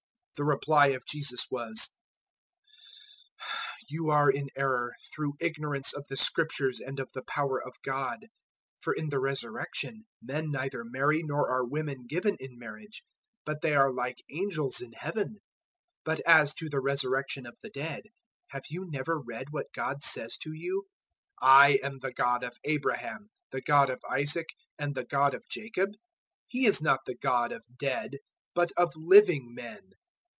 022:029 The reply of Jesus was, "You are in error, through ignorance of the Scriptures and of the power of God. 022:030 For in the Resurrection, men neither marry nor are women given in marriage, but they are like angels in Heaven. 022:031 But as to the Resurrection of the dead, have you never read what God says to you, 022:032 `I am the God of Abraham, the God of Isaac, and the God of Jacob'? He is not the God of dead, but of living men."